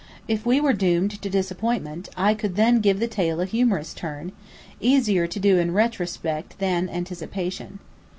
If we were doomed to disappointment I could then give the tale a humorous turn, easier to do in retrospect than anticipation.